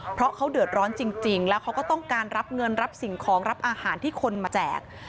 เพราะเขาเดือดร้อนจริงแล้วเขาก็ต้องการรับเงินรับสิ่งของรับอาหารที่คนมาแจก